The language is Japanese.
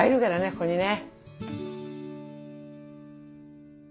ここにね。